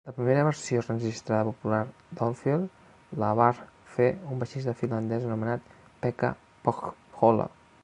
La primera versió enregistrada popular d'Oldfield la var fer un baixista finlandès anomenat Pekka Pohjola.